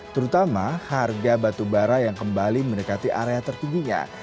terutama harga batu bara yang kembali mendekati area tertingginya